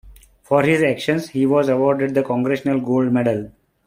For his actions, he was awarded the Congressional Gold Medal.